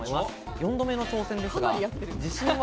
４度目の挑戦ですが自信は？